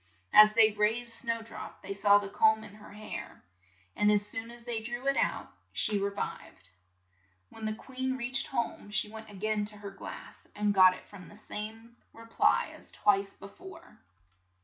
As they raised Snow drop they saw the comb in her hair, and as soon as they drew it out she re vived. When the queen reached home she went a gain to her glass, and got from it the same re ply as twice be fore.